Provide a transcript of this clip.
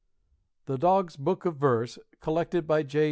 The Dog's Book of Verse Collected by J.